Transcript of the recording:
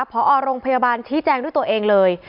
พอโรงพยาบาลชี้แจงด้วยตัวเองเลย